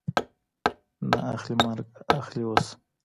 نه اخلي مرګ اخلي اوس